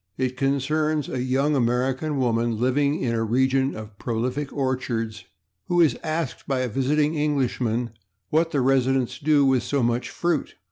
It concerns a young American woman living in a region of prolific orchards who is asked by a visiting Englishman what the residents do with so much fruit.